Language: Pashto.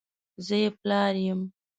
زه یې پلار یم !